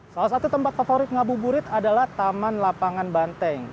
salah satu tempat favorit ngabuburit adalah taman lapangan banteng